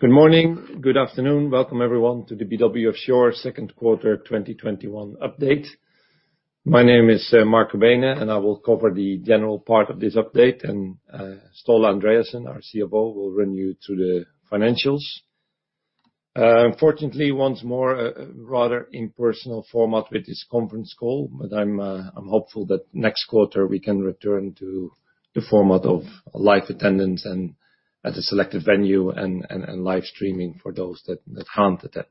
Good morning, good afternoon. Welcome, everyone, to the BW Offshore second quarter 2021 update. My name is Marco Beenen, and I will cover the general part of this update, and Ståle Andreassen, our CFO, will run you through the financials. Unfortunately, once more, a rather impersonal format with this conference call, but I'm hopeful that next quarter we can return to the format of live attendance at a selected venue, and live streaming for those that can't attend.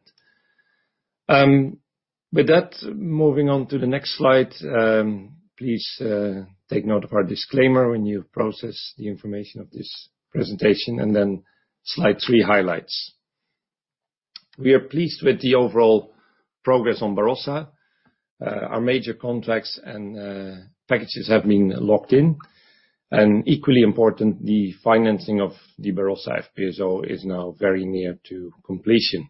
With that, moving on to the next slide. Please take note of our disclaimer when you process the information of this presentation. Slide three, highlights. We are pleased with the overall progress on Barossa. Our major contracts and packages have been locked in. Equally important, the financing of the Barossa FPSO is now very near to completion.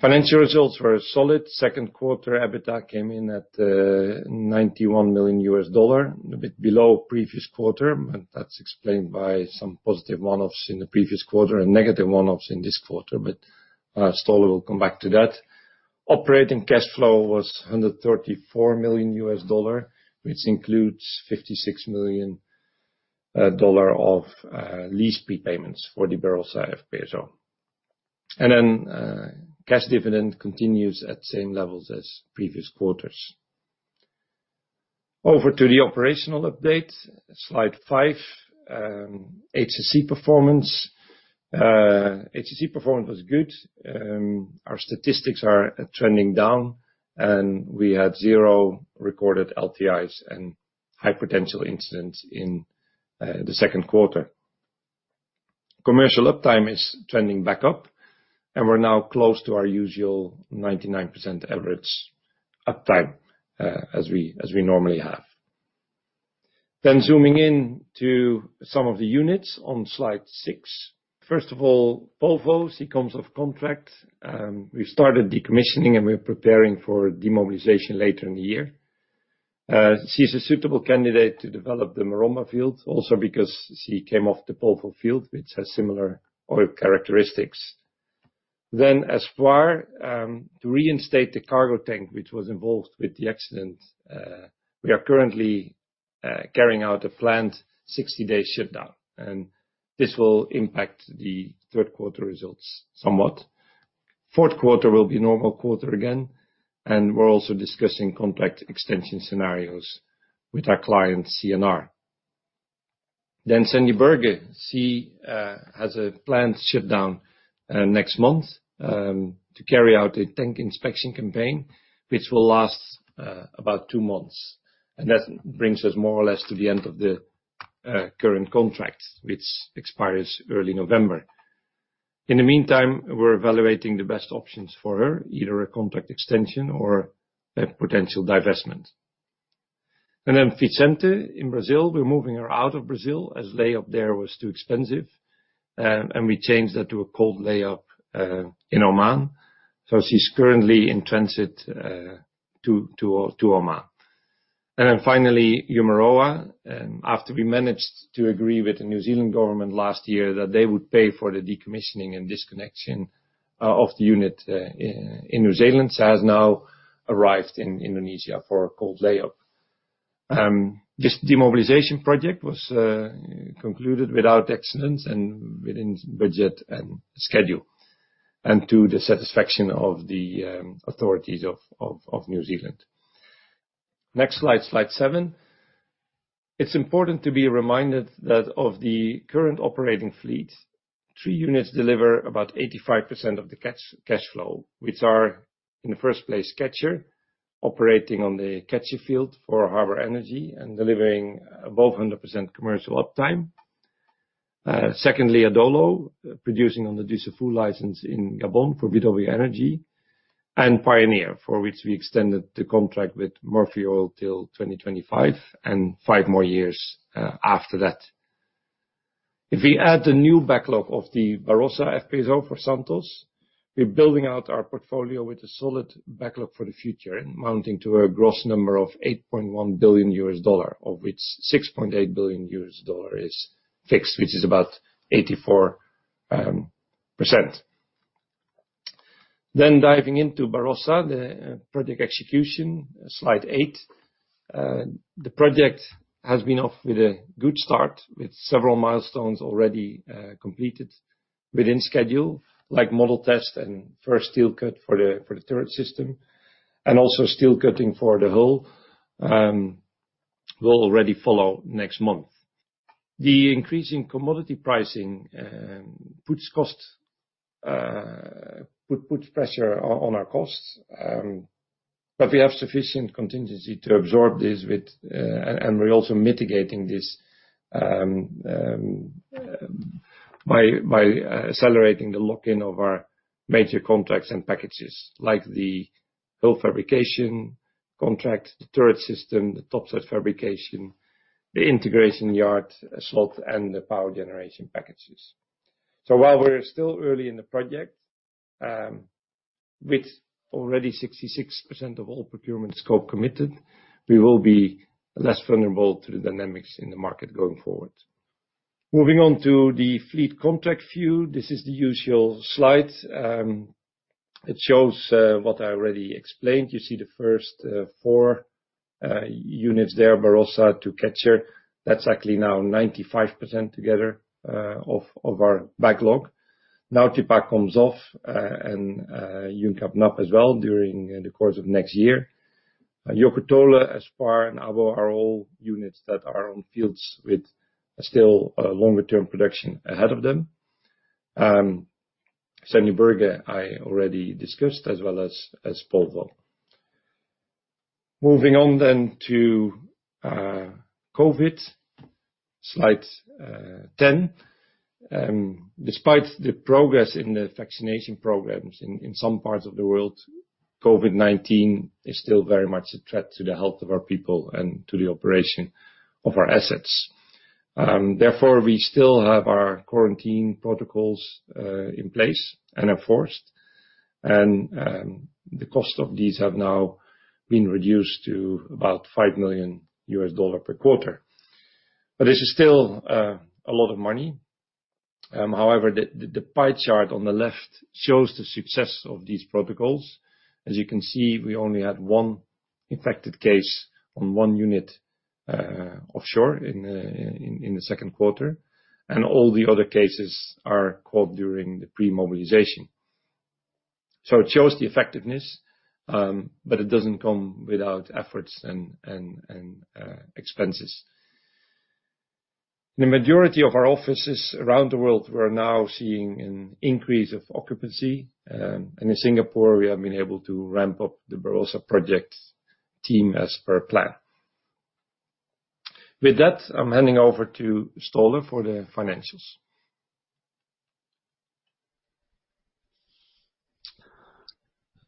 Financial results were solid. Second quarter EBITDA came in at $91 million, a bit below previous quarter, but that's explained by some positive one-offs in the previous quarter and negative one-offs in this quarter, but Ståle will come back to that. Operating cash flow was $134 million, which includes $56 million of lease prepayments for the Barossa FPSO. Cash dividend continues at same levels as previous quarters. Over to the operational update, slide five, HSE performance. HSE performance was good. Our statistics are trending down, and we had zero recorded LTIs and high potential incidents in the second quarter. Commercial uptime is trending back up, and we're now close to our usual 99% average uptime, as we normally have. Zooming in to some of the units on slide six. First of all, Polvo, she comes off contract. We've started decommissioning, and we're preparing for demobilization later in the year. She's a suitable candidate to develop the Maromba field, also because she came off the Polvo field, which has similar oil characteristics. Espoir, to reinstate the cargo tank, which was involved with the accident, we are currently carrying out a planned 60-day shutdown, and this will impact the third quarter results somewhat. Fourth quarter will be normal quarter again, and we're also discussing contract extension scenarios with our client, CNR. Sendje Berge, she has a planned shutdown next month, to carry out a tank inspection campaign, which will last about two months. That brings us more or less to the end of the current contract, which expires early November. In the meantime, we're evaluating the best options for her, either a contract extension or a potential divestment. Vicente in Brazil, we're moving her out of Brazil as layup there was too expensive, we changed that to a cold layup in Oman. She's currently in transit to Oman. Finally, Umuroa, after we managed to agree with the New Zealand government last year that they would pay for the decommissioning and disconnection of the unit in New Zealand, has now arrived in Indonesia for a cold layup. This demobilization project was concluded without accidents and within budget and schedule, and to the satisfaction of the authorities of New Zealand. Next slide seven. It's important to be reminded that of the current operating fleet, three units deliver about 85% of the cash flow, which are, in the first place, Catcher, operating on the Catcher field for Harbour Energy and delivering above 100% commercial uptime. Adolo, producing on the Dussafu license in Gabon for BW Energy, and Pioneer, for which we extended the contract with Murphy Oil till 2025 and five more years after that. If we add the new backlog of the Barossa FPSO for Santos, we're building out our portfolio with a solid backlog for the future, amounting to a gross number of $8.1 billion, of which $6.8 billion is fixed, which is about 84%. Diving into Barossa, the project execution, slide eight. The project has been off with a good start with several milestones already completed within schedule, like model test and first steel cut for the turret system. Also steel cutting for the hull will already follow next month. The increasing commodity pricing puts pressure on our costs, but we have sufficient contingency to absorb this, and we're also mitigating this by accelerating the lock-in of our major contracts and packages, like the hull fabrication contract, the turret system, the topside fabrication, the integration yard slot, and the power generation packages. While we're still early in the project, with already 66% of all procurement scope committed, we will be less vulnerable to the dynamics in the market going forward. Moving on to the fleet contract view. This is the usual slide. It shows what I already explained. You see the first four units there, Barossa to Catcher. That's actually now 95% together of our backlog. Nautipa comes off, and Yunkap Nap as well during the course of next year. BW Joko Tole, Espoir, and Abo are all units that are on fields with still longer-term production ahead of them. Sendje Berge, I already discussed as well as Polvo. Moving on to COVID, slide 10. Despite the progress in the vaccination programs in some parts of the world, COVID-19 is still very much a threat to the health of our people and to the operation of our assets. Therefore, we still have our quarantine protocols in place and enforced, the cost of these have now been reduced to about $5 million per quarter. This is still a lot of money. However, the pie chart on the left shows the success of these protocols. As you can see, we only had one infected case on one unit offshore in the second quarter, all the other cases are caught during the pre-mobilization. It shows the effectiveness, but it doesn't come without efforts and expenses. The majority of our offices around the world, we're now seeing an increase of occupancy. In Singapore, we have been able to ramp up the Barossa project team as per plan. With that, I'm handing over to Ståle for the financials.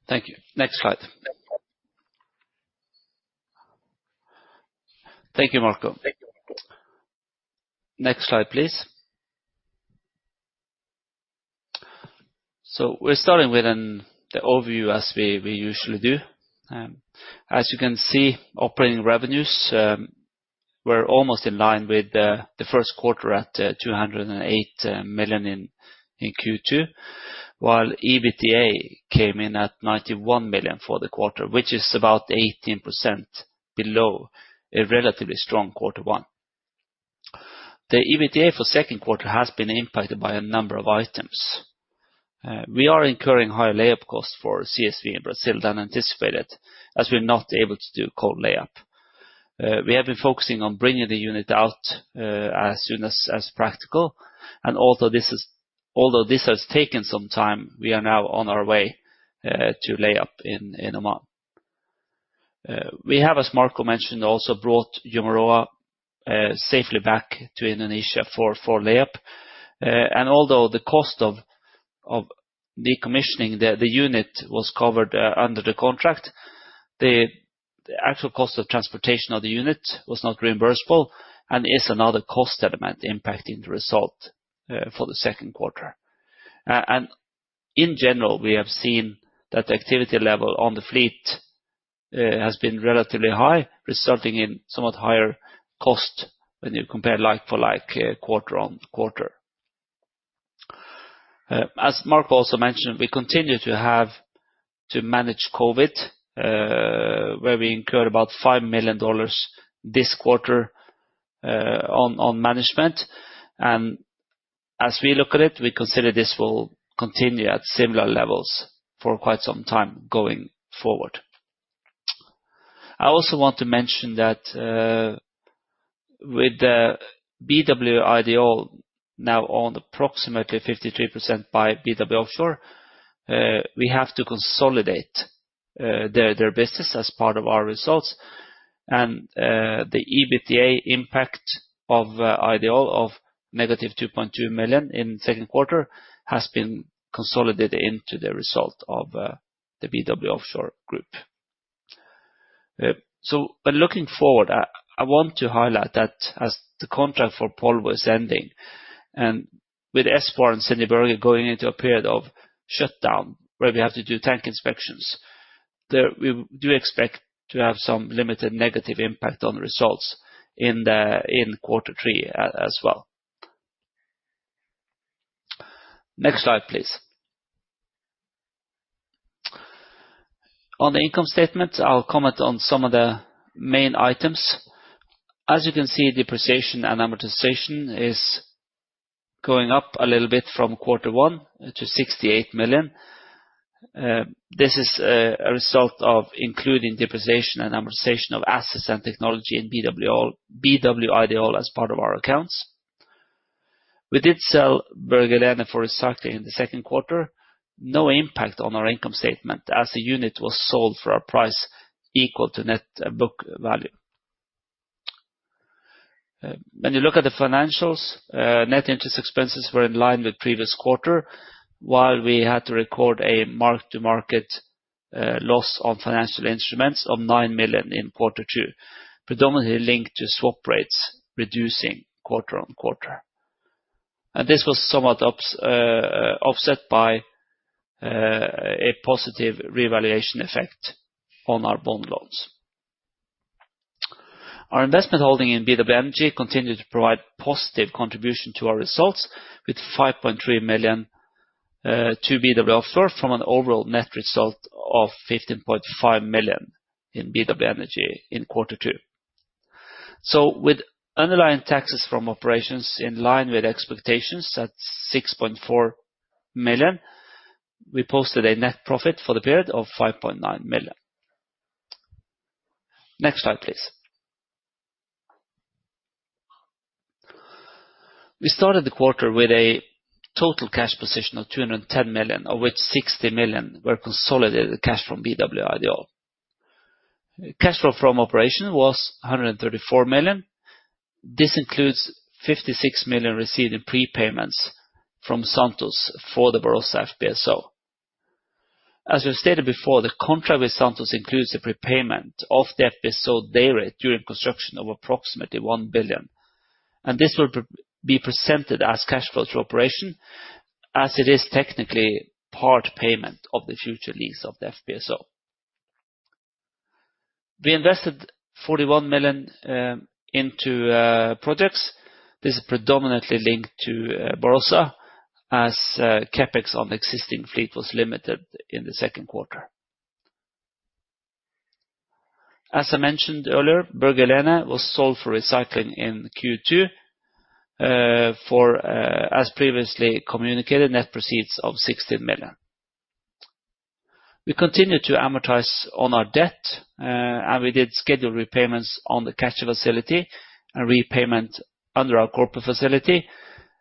Thank you. Next slide. Thank you, Marco. Next slide, please. We're starting with the overview as we usually do. As you can see, operating revenues were almost in line with the first quarter at $208 million in Q2, while EBITDA came in at $91 million for the quarter, which is about 18% below a relatively strong quarter one. The EBITDA for second quarter has been impacted by a number of items. We are incurring higher layup costs for CSV in Brazil than anticipated, as we're not able to do cold layup. We have been focusing on bringing the unit out as soon as practical, and although this has taken some time, we are now on our way to layup in Oman. We have, as Marco mentioned, also brought Umuroa safely back to Indonesia for layup. Although the cost of decommissioning the unit was covered under the contract, the actual cost of transportation of the unit was not reimbursable and is another cost element impacting the result for the second quarter. In general, we have seen that activity level on the fleet has been relatively high, resulting in somewhat higher cost when you compare like for like, quarter-over-quarter. As Marco also mentioned, we continue to have to manage COVID, where we incurred about $5 million this quarter on management. As we look at it, we consider this will continue at similar levels for quite some time going forward. I also want to mention that with the BW Ideol now owned approximately 53% by BW Offshore, we have to consolidate their business as part of our results. The EBITDA impact of Ideol of negative $2.2 million in the second quarter has been consolidated into the result of the BW Offshore Group. Looking forward, I want to highlight that as the contract for Polvo was ending and with Espoir and Sendje Berge going into a period of shutdown where we have to do tank inspections, we do expect to have some limited negative impact on the results in quarter three as well. Next slide, please. On the income statement, I'll comment on some of the main items. As you can see, depreciation and amortization is going up a little bit from quarter one to $68 million. This is a result of including depreciation and amortization of assets and technology in BW Ideol as part of our accounts. We did sell Berge Helene for recycling in the second quarter. No impact on our income statement as the unit was sold for a price equal to net book value. When you look at the financials, net interest expenses were in line with previous quarter, while we had to record a mark-to-market loss on financial instruments of $9 million in quarter two, predominantly linked to swap rates reducing quarter on quarter. This was somewhat offset by a positive revaluation effect on our bond loans. Our investment holding in BW Energy continued to provide positive contribution to our results with $5.3 million to BW Offshore from an overall net result of $15.5 million in BW Energy in quarter two. With underlying taxes from operations in line with expectations at $6.4 million, we posted a net profit for the period of $5.9 million. Next slide, please. We started the quarter with a total cash position of $210 million, of which $60 million were consolidated cash from BW Ideol. Cash flow from operation was $134 million. This includes $56 million received in prepayments from Santos for the Barossa FPSO. As we've stated before, the contract with Santos includes a prepayment of the FPSO day rate during construction of approximately $1 billion. This will be presented as cash flow through operation as it is technically part payment of the future lease of the FPSO. We invested $41 million into projects. This is predominantly linked to Barossa as CapEx on existing fleet was limited in the second quarter. As I mentioned earlier, Berge Helene was sold for recycling in Q2 for, as previously communicated, net proceeds of $16 million. We continued to amortize on our debt, and we did schedule repayments on the cash facility and repayment under our corporate facility,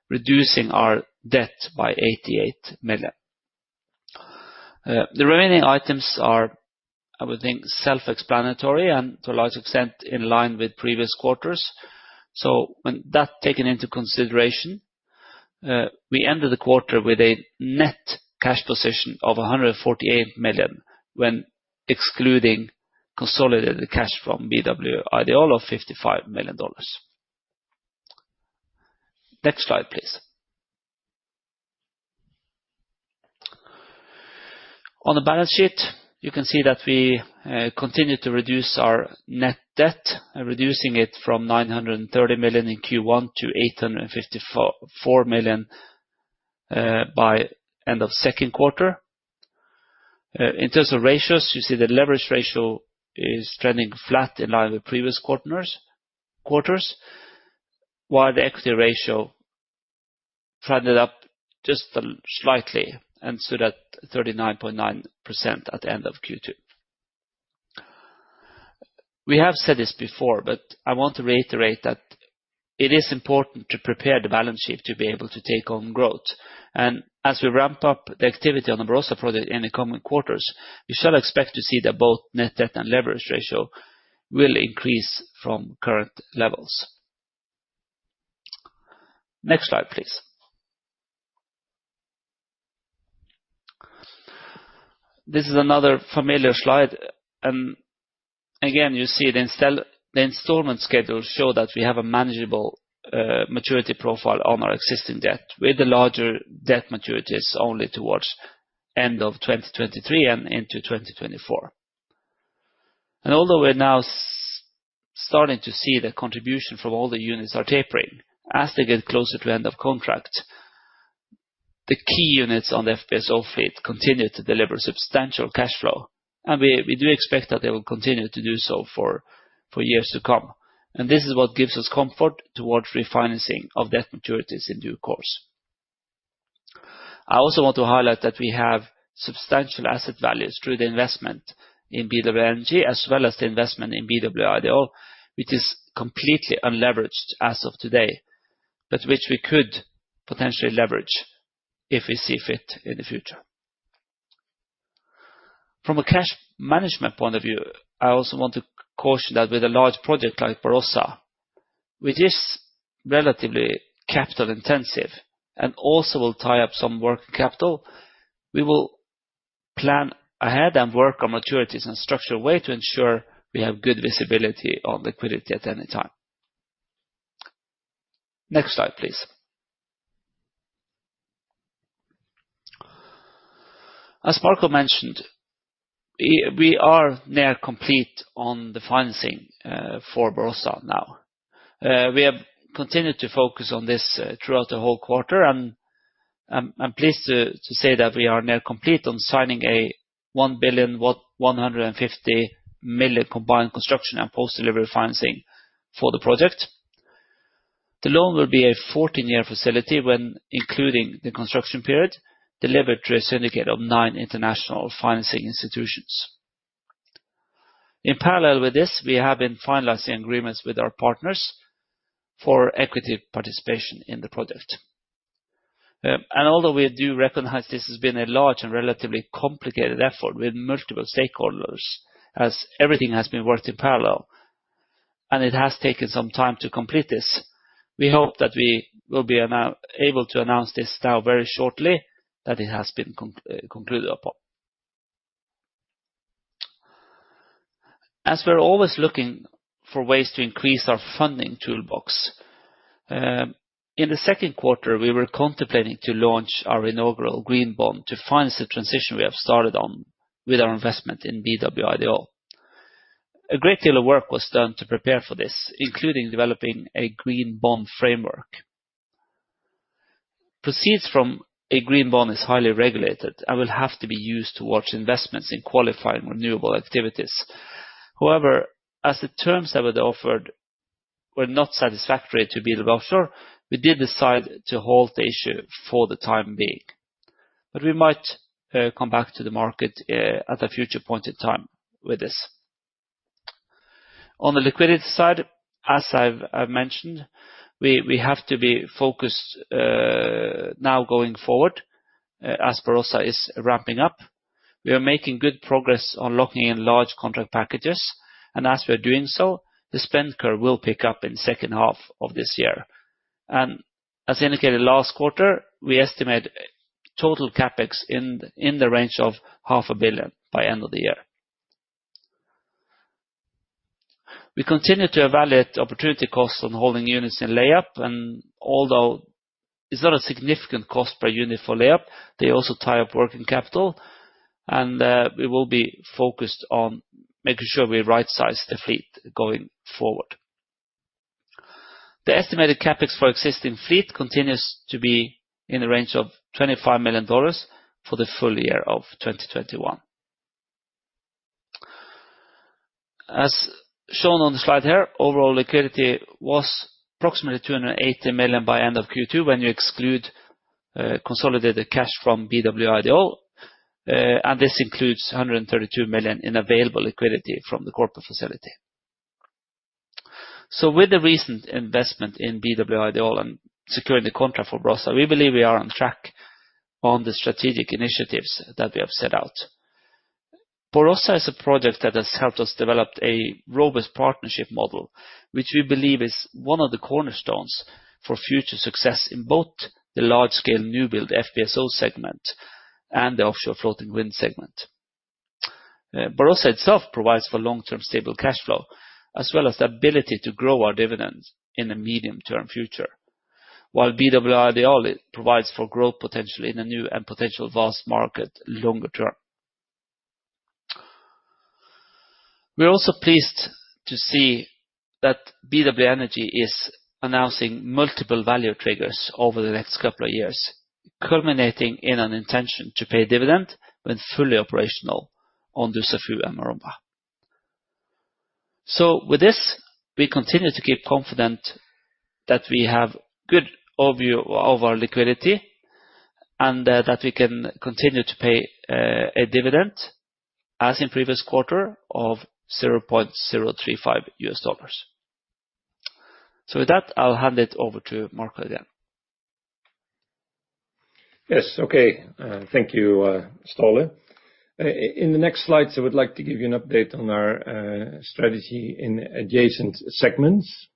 reducing our debt by $88 million. The remaining items are, I would think, self-explanatory and to a large extent in line with previous quarters. When that taken into consideration, we ended the quarter with a net cash position of $148 million when excluding consolidated cash from BW Ideol of $55 million. Next slide, please. On the balance sheet, you can see that we continued to reduce our net debt, reducing it from $930 million in Q1 to $854 million by end of second quarter. In terms of ratios, you see the leverage ratio is trending flat in line with previous quarters, while the equity ratio trended up just slightly and stood at 39.9% at the end of Q2. We have said this before, I want to reiterate that it is important to prepare the balance sheet to be able to take on growth. As we ramp up the activity on the Barossa project in the coming quarters, you shall expect to see that both net debt and leverage ratio will increase from current levels. Next slide, please. This is another familiar slide. Again, you see the installment schedule show that we have a manageable maturity profile on our existing debt, with the larger debt maturities only towards end of 2023 and into 2024. Although we're now starting to see the contribution from all the units are tapering as they get closer to end of contract, the key units on the FPSO fleet continue to deliver substantial cash flow, and we do expect that they will continue to do so for years to come. This is what gives us comfort towards refinancing of debt maturities in due course. I also want to highlight that we have substantial asset values through the investment in BW Energy as well as the investment in BW Ideol, which is completely unleveraged as of today, but which we could potentially leverage if we see fit in the future. From a cash management point of view, I also want to caution that with a large project like Barossa, which is relatively capital-intensive and also will tie up some working capital, we will plan ahead and work on maturities in a structured way to ensure we have good visibility on liquidity at any time. Next slide, please. As Marco mentioned, we are near complete on the financing for Barossa now. We have continued to focus on this throughout the whole quarter, and I'm pleased to say that we are near complete on signing a $1 billion, $150 million combined construction and post-delivery financing for the project. The loan will be a 14-year facility when including the construction period delivered through a syndicate of nine international financing institutions. In parallel with this, we have been finalizing agreements with our partners for equity participation in the project. Although we do recognize this has been a large and relatively complicated effort with multiple stakeholders as everything has been worked in parallel and it has taken some time to complete this, we hope that we will be able to announce this now very shortly that it has been concluded upon. As we're always looking for ways to increase our funding toolbox. In the second quarter, we were contemplating to launch our inaugural green bond to finance the transition we have started on with our investment in BW Ideol. A great deal of work was done to prepare for this, including developing a green bond framework. Proceeds from a green bond is highly regulated and will have to be used towards investments in qualifying renewable activities. However, as the terms that were offered were not satisfactory to BW Offshore, we did decide to halt the issue for the time being. We might come back to the market at a future point in time with this. On the liquidity side, as I've mentioned, we have to be focused now going forward as Barossa is ramping up. We are making good progress on locking in large contract packages, and as we are doing so, the spend curve will pick up in second half of this year. As indicated last quarter, we estimate total CapEx in the range of half a billion by end of the year. We continue to evaluate opportunity costs on holding units in layup. Although it's not a significant cost per unit for layup, they also tie up working capital and we will be focused on making sure we right-size the fleet going forward. The estimated CapEx for existing fleet continues to be in the range of $25 million for the full year of 2021. As shown on the slide here, overall liquidity was approximately $280 million by end of Q2 when you exclude consolidated cash from BW Ideol. This includes $132 million in available liquidity from the corporate facility. With the recent investment in BW Ideol and securing the contract for Barossa, we believe we are on track on the strategic initiatives that we have set out. Barossa is a project that has helped us developed a robust partnership model, which we believe is one of the cornerstones for future success in both the large-scale new build FPSO segment and the offshore floating wind segment. Barossa itself provides for long-term stable cash flow, as well as the ability to grow our dividends in the medium-term future. BW Ideol provides for growth potential in the new and potential vast market longer-term. We are also pleased to see that BW Energy is announcing multiple value triggers over the next couple of years, culminating in an intention to pay dividend when fully operational on Dussafu and Maromba. With this, we continue to keep confident that we have good overview of our liquidity and that we can continue to pay a dividend as in previous quarter of $0.035. With that, I'll hand it over to Marco again. Yes, okay. Thank you, Ståle. In the next slides, I would like to give you an update on our strategy in adjacent segments.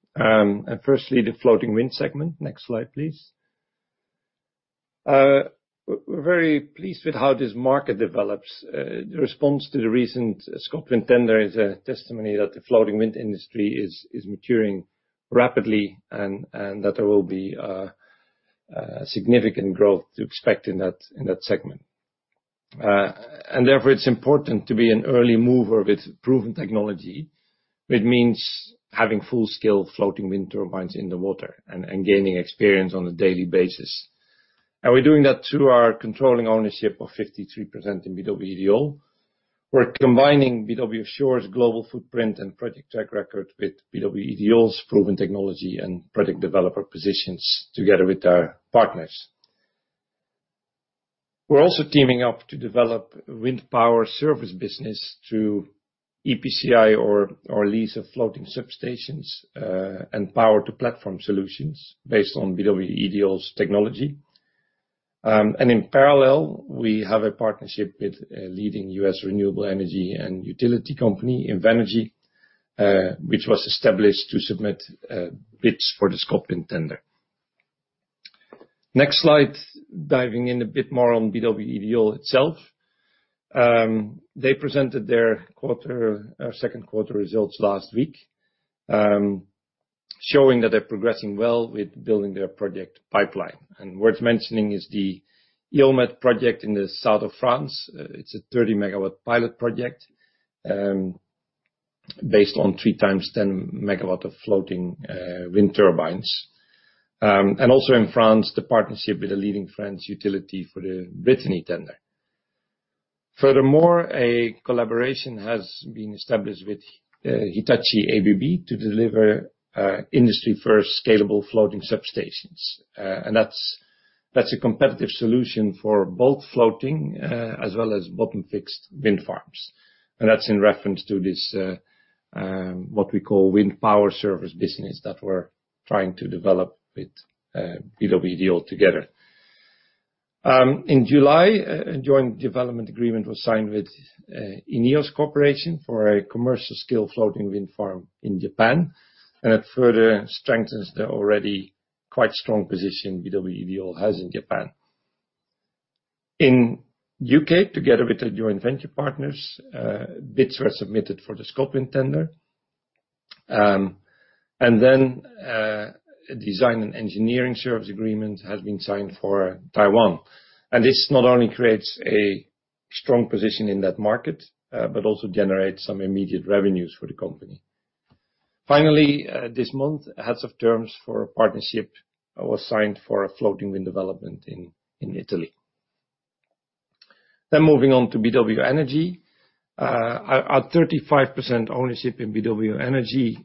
Firstly, the floating wind segment. Next slide, please. We're very pleased with how this market develops. The response to the recent ScotWind tender is a testimony that the floating wind industry is maturing rapidly and that there will be a significant growth to expect in that segment. Therefore, it's important to be an early mover with proven technology, which means having full-scale floating wind turbines in the water and gaining experience on a daily basis. We're doing that through our controlling ownership of 53% in BW Ideol. We're combining BW Offshore's global footprint and project track record with BW Ideol's proven technology and project developer positions together with our partners. We're also teaming up to develop wind power service business through EPCI or lease of floating substations, and power-to-platform solutions based on BW Ideol's technology. In parallel, we have a partnership with a leading U.S. renewable energy and utility company, Invenergy, which was established to submit bids for the ScotWind tender. Next slide, diving in a bit more on BW Ideol itself. They presented their second quarter results last week, showing that they're progressing well with building their project pipeline. Worth mentioning is the EolMed project in the south of France. It's a 30 MW pilot project, based on three times 10 MW of floating wind turbines. Also in France, the partnership with a leading French utility for the Brittany tender. Furthermore, a collaboration has been established with Hitachi ABB to deliver industry-first scalable floating substations. That's a competitive solution for both floating as well as bottom-fixed wind farms. That's in reference to this, what we call wind power service business that we're trying to develop with BW Ideol together. In July, a joint development agreement was signed with Eneos Corporation for a commercial-scale floating wind farm in Japan. It further strengthens the already quite strong position BW Ideol has in Japan. In the U.K., together with our joint venture partners, bids were submitted for the ScotWind tender. A design and engineering service agreement has been signed for Taiwan. This not only creates a strong position in that market, but also generates some immediate revenues for the company. Finally, this month, heads of terms for a partnership was signed for a floating wind development in Italy. Moving on to BW Energy. Our 35% ownership in BW Energy,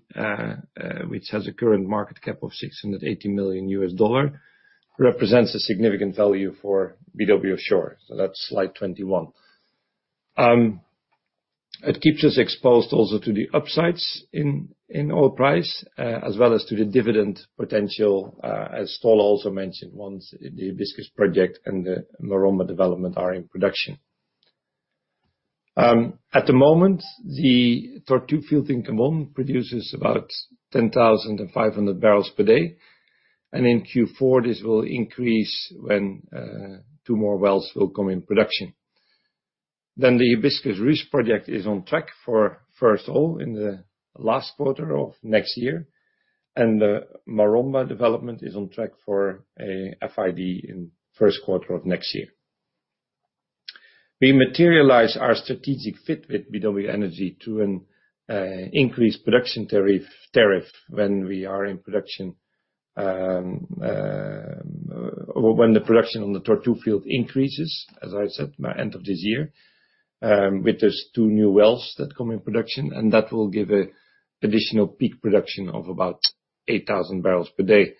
which has a current market cap of $680 million, represents a significant value for BW Offshore. That's slide 21. It keeps us exposed also to the upsides in oil price, as well as to the dividend potential, as Ståle also mentioned, once the Hibiscus project and the Maromba development are in production. At the moment, the Tortue field in Gabon produces about 10,500 barrels per day, and in Q4 this will increase when two more wells will come in production. The Hibiscus Ruche project is on track for first oil in the last quarter of next year, and the Maromba development is on track for a FID in first quarter of next year. We materialize our strategic fit with BW Energy through an increased production tariff when the production on the Tortue field increases, as I said, by end of this year, with those two new wells that come in production. That will give additional peak production of about 8,000 barrels per day.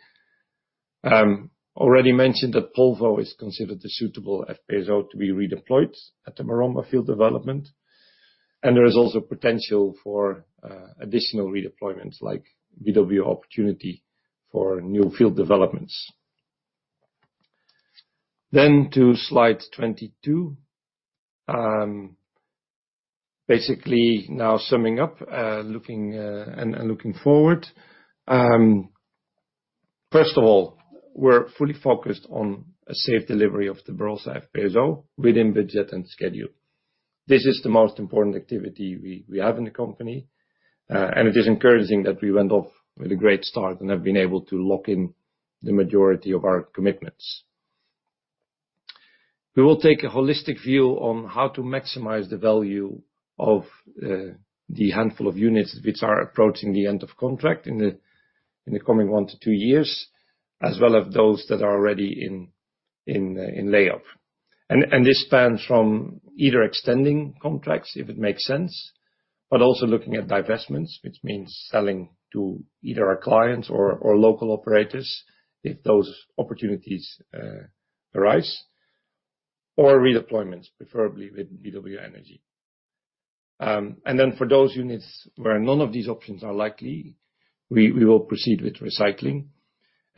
Already mentioned that Polvo is considered a suitable FPSO to be redeployed at the Maromba field development. There is also potential for additional redeployments, like BW Opportunity for new field developments. To slide 22. Basically, now summing up and looking forward. First of all, we're fully focused on a safe delivery of the Barossa FPSO within budget and schedule. This is the most important activity we have in the company, and it is encouraging that we went off with a great start and have been able to lock in the majority of our commitments. We will take a holistic view on how to maximize the value of the handful of units which are approaching the end of contract in the coming 1-2 years, as well as those that are already in layup. This spans from either extending contracts, if it makes sense, but also looking at divestments, which means selling to either our clients or local operators if those opportunities arise, or redeployments, preferably with BW Energy. For those units where none of these options are likely, we will proceed with recycling.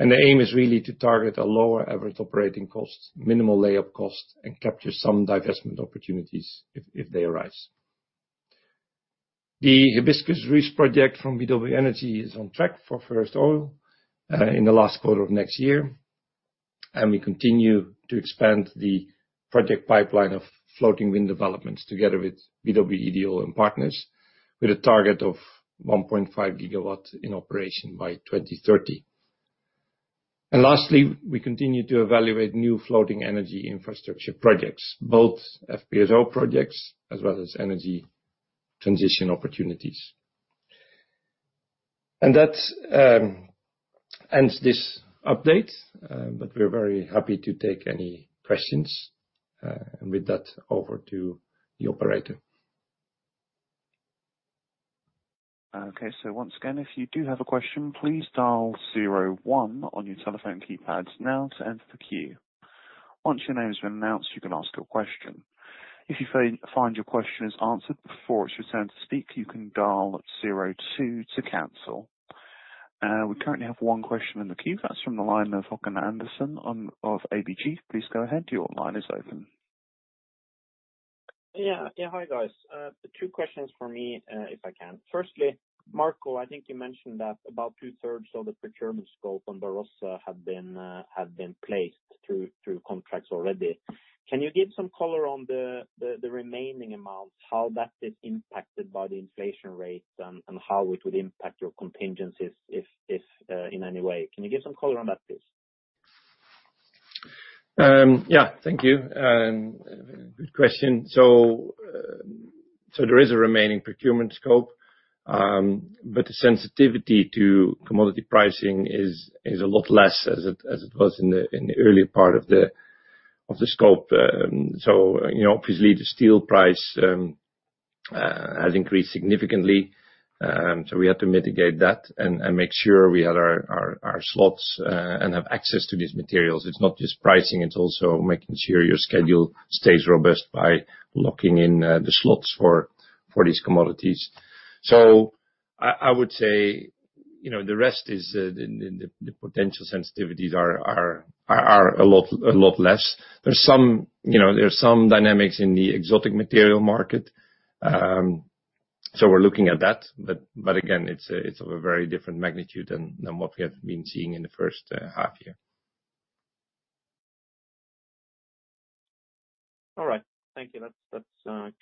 The aim is really to target a lower average operating cost, minimal layup cost, and capture some divestment opportunities if they arise. The Hibiscus Reach project from BW Energy is on track for first oil in the last quarter of next year, we continue to expand the project pipeline of floating wind developments together with BW Ideol and partners, with a target of 1.5 GW in operation by 2030. Lastly, we continue to evaluate new floating energy infrastructure projects, both FPSO projects as well as energy transition opportunities. That ends this update, but we're very happy to take any questions. With that, over to the operator. Okay. Once again, if you do have a question, please dial zero one on your telephone keypads now to enter the queue. Once your name has been announced, you can ask your question. If you find your question is answered before it's your turn to speak, you can dial zero two to cancel. We currently have one question in the queue. That's from the line of Haakon Amundsen of ABG. Please go ahead. Your line is open. Yeah. Hi, guys. Two questions for me, if I can. Firstly, Marco, I think you mentioned that about two-thirds of the procurement scope on Barossa have been placed through contracts already. Can you give some color on the remaining amounts, how that is impacted by the inflation rates and how it would impact your contingencies if in any way? Can you give some color on that, please? Yeah. Thank you. Good question. There is a remaining procurement scope, but the sensitivity to commodity pricing is a lot less as it was in the early part of the scope. Obviously, the steel price has increased significantly, so we had to mitigate that and make sure we had our slots and have access to these materials. It's not just pricing, it's also making sure your schedule stays robust by locking in the slots for these commodities. I would say, the rest, the potential sensitivities are a lot less. There's some dynamics in the exotic material market. We're looking at that. Again, it's of a very different magnitude than what we have been seeing in the first half year. All right. Thank you. That's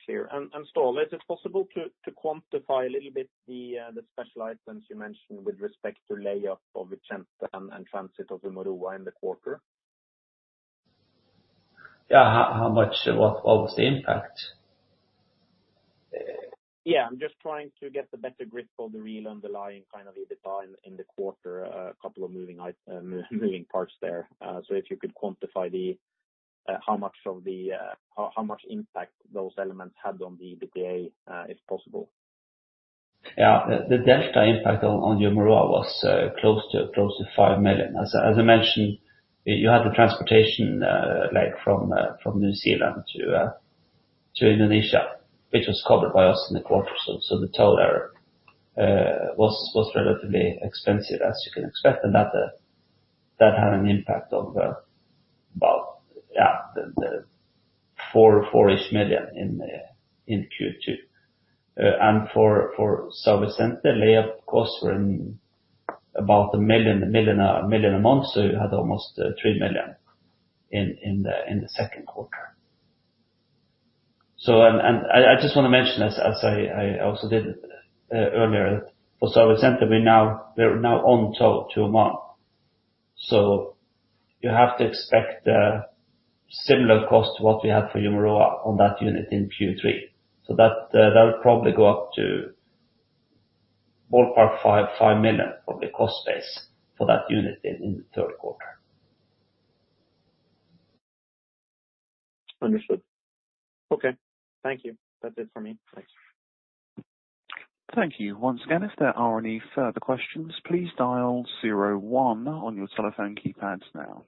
clear. Ståle, is it possible to quantify a little bit the special items you mentioned with respect to layup of BW Cidade de São Vicente and transit of Umuroa in the quarter? Yeah. How much was the impact? Yeah, I'm just trying to get a better grip of the real underlying kind of EBITDA in the quarter, a couple of moving parts there. If you could quantify how much impact those elements had on the EBITDA, if possible. The delta impact on Umuroa was close to $5 million. As I mentioned, you had the transportation leg from New Zealand to Indonesia, which was covered by us in the quarter. The tow was relatively expensive as you can expect, and that had an impact of about $4 million in Q2. For BW Cidade de São Vicente the layup costs were about $1 million a month. You had almost $3 million in the second quarter. I just want to mention as I also did earlier, for BW Cidade de São Vicente we're now on tow $2 million a month. You have to expect a similar cost to what we had for Umuroa on that unit in Q3. That'll probably go up to ballpark $5 million of the cost base for that unit in the third quarter. Understood. Okay. Thank you. That's it for me. Thanks. Thank you. Once again, if there are any further questions, please dial zero one on your telephone keypads Now.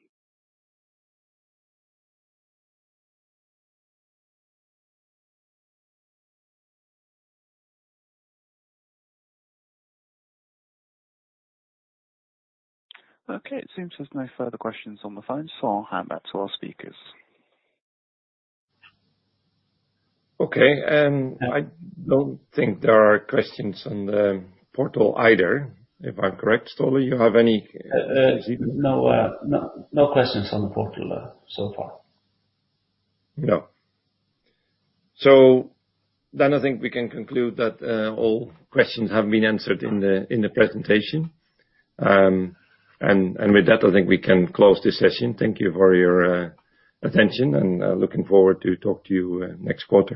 Okay, it seems there's no further questions on the phone, I'll hand back to our speakers. Okay. I don't think there are questions on the portal either. If I'm correct, Ståle, you have any? No questions on the portal so far. No. I think we can conclude that all questions have been answered in the presentation. With that, I think we can close this session. Thank you for your attention and looking forward to talk to you next quarter.